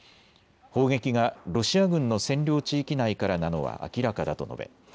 砲撃がロシア軍の占領地域内からなのは明らかだと述べ